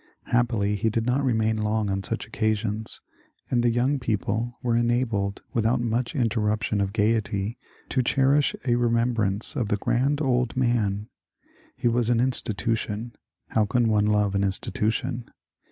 Happily he did not remain long on such occasions, and the young people were enabled without much interruption of gaiety to cherish a remembrance of the *^ Grand Old Man." He was an insti tution ; how can one love an institution